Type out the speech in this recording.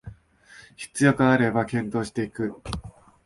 必要があれば検討していく